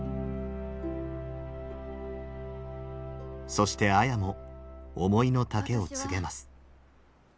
そして綾も思いの丈を告げます。